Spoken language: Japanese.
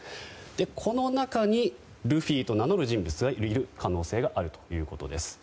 この中にルフィと名乗る人物がいる可能性があるということです。